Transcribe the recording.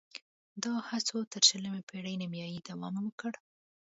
دا هڅو تر شلمې پېړۍ نیمايي دوام وکړ